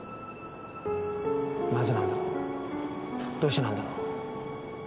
なぜなんだろうどうしてなんだろう。